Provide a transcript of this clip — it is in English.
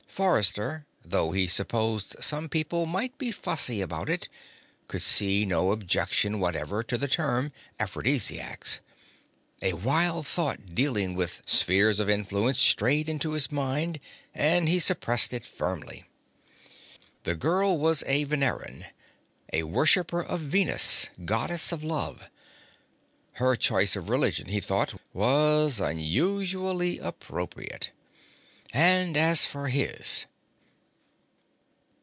Forrester, though he supposed some people might be fussy about it, could see no objection whatever to the term Aphrodisiacs. A wild thought dealing with Spheres of Influence strayed into his mind, and he suppressed it firmly. The girl was a Veneran. A worshipper of Venus, Goddess of Love. Her choice of religion, he thought, was unusually appropriate. And as for his....